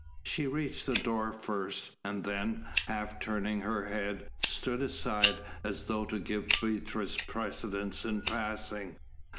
She reached the door first, and then, half turning her head, stood aside, as though to give Beatrice precedence in passing.